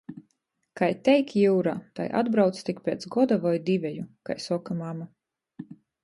Kai teik jiurā, tai atbrauc tik piec goda voi diveju, kai soka mama.